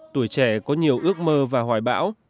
tuổi trẻ có nhiều ước mơ và hoài bão